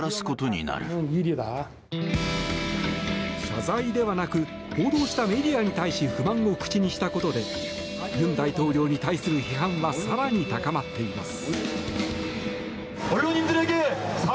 謝罪ではなく報道したメディアに対し不満を口にしたことで尹大統領に対する批判は更に高まっています。